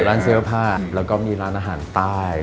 ร้านเสื้อผ้าแล้วก็มีร้านอาหารใต้